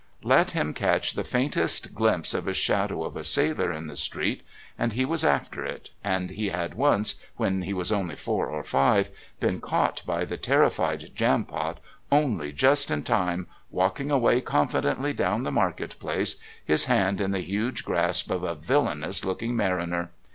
Let him catch the faintest glimpse of a shadow of a sailor in the street and he was after it, and he had once, when he was only four or five, been caught by the terrified Jampot, only just in time, walking away confidently down the market place, his hand in the huge grasp of a villainous looking mariner.